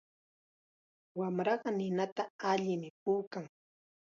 Wamraqa ninata allim puukan.